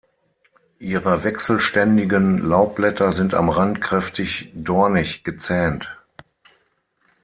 Ihre wechselständigen Laubblätter sind am Rand kräftig dornig gezähnt.